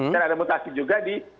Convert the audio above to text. dan ada mutasi juga di